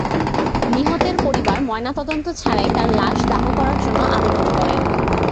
নিহতের পরিবার ময়নাতদন্ত ছাড়াই তাঁর লাশ দাহ করার জন্য আবেদন করে।